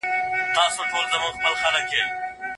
سياسي قدرت بې له مبارزې نه ترلاسه کېږي.